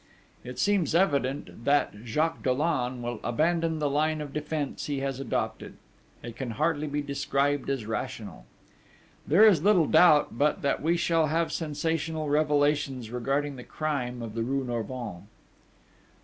It seems evident that Jacques Dollon will abandon the line of defence he has adopted: it can hardly be described as rational. There is little doubt but that we shall have sensational revelations regarding the crime of the rue Norvins.